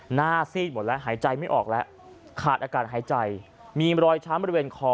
ซีดหมดแล้วหายใจไม่ออกแล้วขาดอากาศหายใจมีรอยช้ำบริเวณคอ